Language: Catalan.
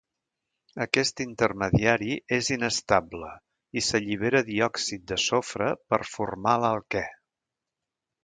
Aquest intermediari és inestable i s'allibera diòxid de sofre per formar l'alquè.